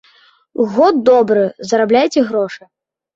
Год добры, зарабляйце грошы.